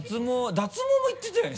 脱毛も行ってたよね？